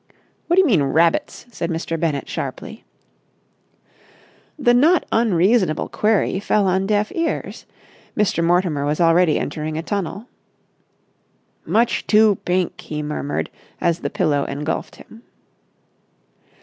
"What do you mean, rabbits?" said Mr. Bennett sharply. The not unreasonable query fell on deaf ears. Mr. Mortimer was already entering a tunnel. "Much too pink!" he murmured as the pillow engulfed him.